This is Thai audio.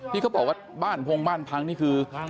ที่เขาบอกว่าบ้านพงบ้านพังนี่คือ